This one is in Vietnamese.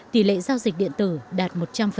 tỷ lệ giao dịch điện tử đạt một trăm linh